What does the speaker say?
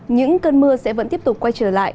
những cơn mưa sẽ vẫn tiếp tục quay trở lại